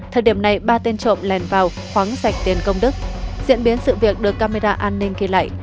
thời điểm này ba tên trộm lèn vào khoáng sạch tiền công đức diễn biến sự việc được camera an ninh ghi lại